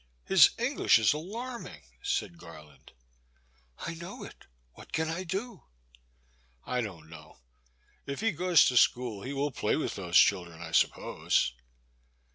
" His English is alarming, said Garland. I know it — what can I do ?*'I don't know; if he goes to school he will play with those children, I suppose.